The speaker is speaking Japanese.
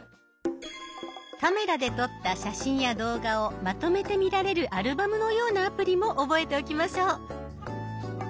カメラで撮った写真や動画をまとめて見られるアルバムのようなアプリも覚えておきましょう。